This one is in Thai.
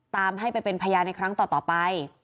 ตามให้ไปเป็นพยานในครั้งต่อไป